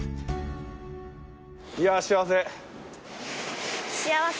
いや幸せ。